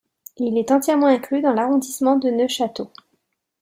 Il est entièrement inclus dans l'arrondissement de Neufchâteau.